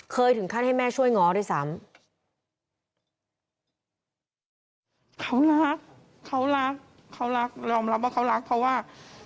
เคยถึงขั้นให้แม่ช่วยง้อด้วยซ้ำ